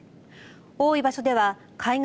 多い場所では海岸